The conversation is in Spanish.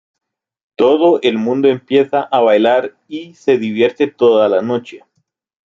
Todo el mundo empieza a bailar y se divierte toda la noche.